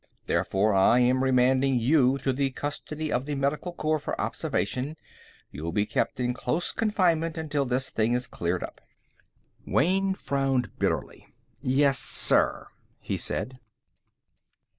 Therefore, I am remanding you to the custody of the Medical Corps for observation. You'll be kept in close confinement until this thing is cleared up." Wayne frowned bitterly. "Yes, sir," he said.